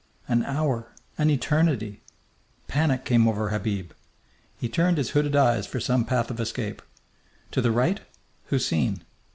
An hour! An eternity! Panic came over Habib. He turned his hooded eyes for some path of escape. To the right, Houseen!